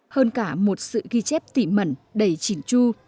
hơn cả một sự ghi chép tỉ mẩn đầy chỉn chu